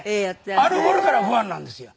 あの頃からファンなんですよ。